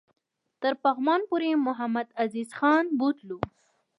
تر پغمان پوري محمدعزیز خان بوتلو.